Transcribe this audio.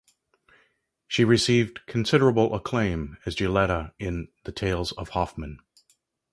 She received considerable acclaim as Giulietta in "The Tales of Hoffmann".